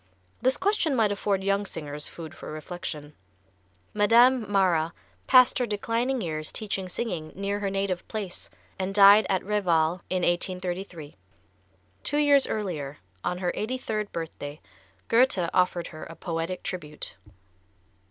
This question might afford young singers food for reflection. Madame Mara passed her declining years teaching singing near her native place, and died at Reval, in 1833. Two years earlier, on her eighty third birthday, Goethe offered her a poetic tribute.